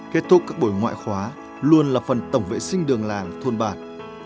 kết thúc các buổi ngoại khóa luôn là phần tổng vệ sinh đường làng thôn bản